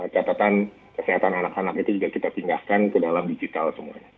catatan kesehatan anak anak itu juga kita pindahkan ke dalam digital semuanya